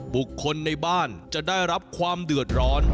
บุคคลในบ้านจะได้รับความเดือดร้อน